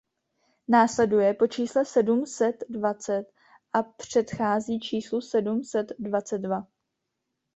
Následuje po čísle sedm set dvacet a předchází číslu sedm set dvacet dva.